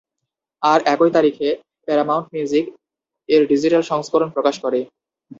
আর একই তারিখে Paramount Music এর ডিজিটাল সংস্করণ প্রকাশ করে।